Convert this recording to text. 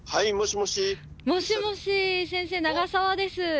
もしもし先生長沢です。